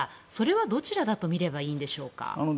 どちらだとみればいいんでしょうか。